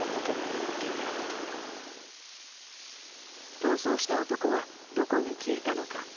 逃走した男はどこに消えたのか。